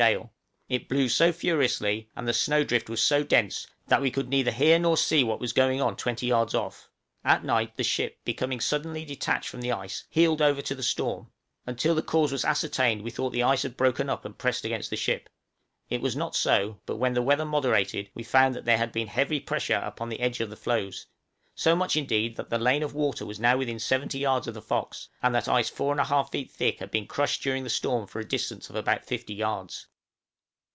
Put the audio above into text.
gale; it blew so furiously, and the snow drift was so dense, that we could neither hear nor see what was going on twenty yards off; at night the ship, becoming suddenly detached from the ice, heeled over to the storm; until the cause was ascertained we thought the ice had broken up and pressed against the ship. It was not so; but when the weather moderated we found that there had been heavy pressure upon the edge of the floes, so much, indeed, that the lane of water was now within 70 yards of the 'Fox;' and that ice 4 1/2 feet thick had been crushed during the storm for a distance of about 50 yards.